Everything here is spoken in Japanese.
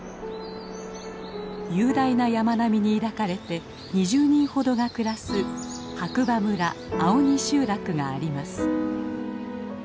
雄大な山並みに抱かれて２０人ほどが暮らす白馬村青鬼集落があります。